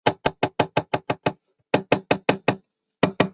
海龙号陈列在海军官校史绩馆。